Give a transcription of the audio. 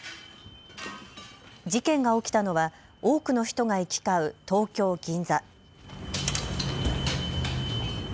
事件が起きたのは多くの人が行き交う東京銀座。